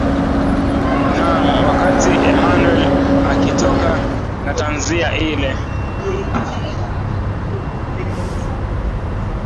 naam wakati emmanuel akitoka na tanzia ile